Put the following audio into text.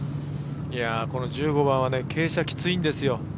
この１５番は傾斜、きついんですよ。